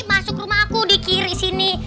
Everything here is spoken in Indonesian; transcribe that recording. masuk rumah aku di kiri sini